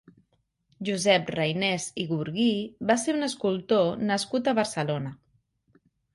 Josep Reynés i Gurguí va ser un escultor nascut a Barcelona.